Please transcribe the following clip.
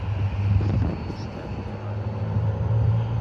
Ass-a, ur stufaɣ ara.